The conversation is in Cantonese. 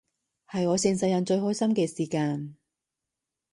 係我成世人最開心嘅時間